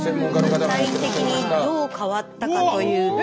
具体的にどう変わったかというと。